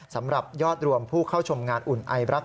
สำหรับยอดรวมผู้เข้าชมงานอุ่นไอรัก